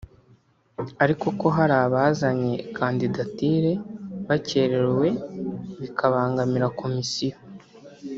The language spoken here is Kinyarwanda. ariko ko hari abazanye kandidatire bakererewe bikabangamira Komisiyo